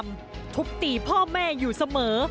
แต่จำทุบตีพ่อแม่อยู่เสมอ